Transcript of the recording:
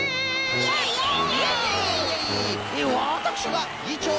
イエイイエイ！